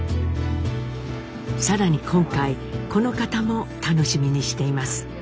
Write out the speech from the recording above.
更に今回この方も楽しみにしています。